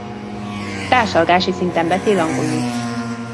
Társalgási szinten beszél angolul.